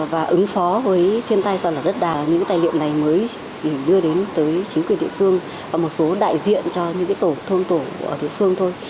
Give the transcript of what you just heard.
và ứng phó với thiên tai so với đất đà những cái tài liệu này mới đưa đến tới chính quyền địa phương và một số đại diện cho những cái tổ thôn tổ ở địa phương thôi